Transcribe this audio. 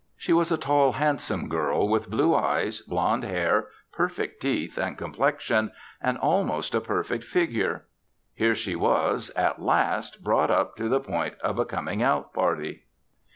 She was a tall, handsome girl with blue eyes, blonde hair, perfect teeth and complexion, and almost a perfect figure. Here she was, at last, brought up to the point of a coming out party.